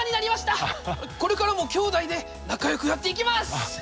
これからも兄妹で仲良くやっていきます！